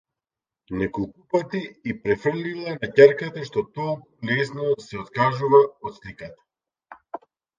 Неколупати ѝ префрлила на ќерката што толку лесно се откажува од сликата.